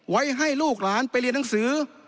ให้ลูกหลานไปเรียนหนังสือ